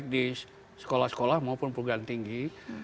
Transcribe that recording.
di sekolah sekolah maupun perguruan tinggi